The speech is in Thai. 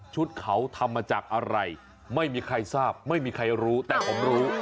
ชุดเขาทำมาจากอะไรไม่มีใครทราบไม่มีใครรู้แต่ผมรู้